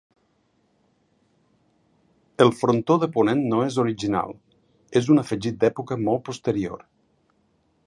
El frontó de ponent no és original; és un afegit d'època molt posterior.